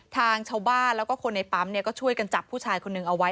ทางชาวบ้านแล้วก็คนในปั๊มก็ช่วยกันจับผู้ชายคนนึงเอาไว้